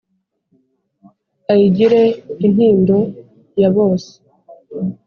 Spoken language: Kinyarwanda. ayigire intindo ya bose